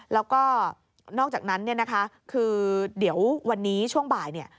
แล้วก็นอกจากนั้นคือเดี๋ยววันนี้ช่วงบ่าย